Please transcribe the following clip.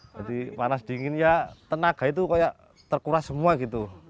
jadi panas dingin ya tenaga itu kayak terkuras semua gitu